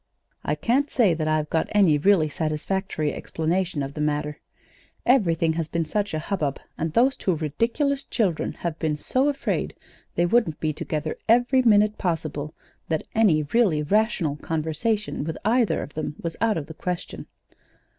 "I can't say that I've got any really satisfactory explanation of the matter. Everything has been in such a hubbub, and those two ridiculous children have been so afraid they wouldn't be together every minute possible, that any really rational conversation with either of them was out of the question.